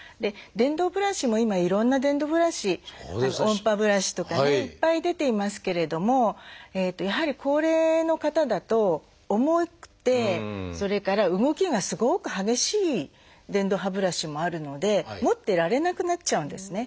電動ブラシも今いろんな電動ブラシ音波ブラシとかねいっぱい出ていますけれどもやはり高齢の方だと重くてそれから動きがすごく激しい電動歯ブラシもあるので持ってられなくなっちゃうんですね。